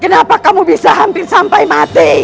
kenapa kamu bisa hampir sampai mati